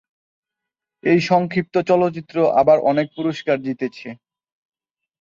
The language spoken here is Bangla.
এই সংক্ষিপ্ত চলচ্চিত্র আবার অনেক পুরস্কার জিতেছে।